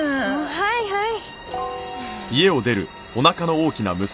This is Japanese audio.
はいはい。